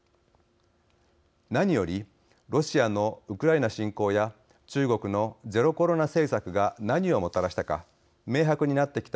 何より、ロシアのウクライナ侵攻や中国のゼロコロナ政策が何をもたらしたか明白になってきた